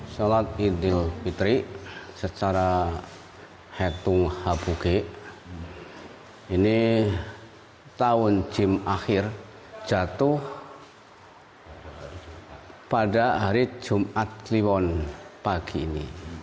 sholat idul fitri secara heatung habug ini tahun gym akhir jatuh pada hari jumat kliwon pagi ini